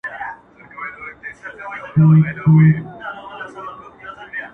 زه یې پروانه غوندي پانوس ته پیدا کړی یم-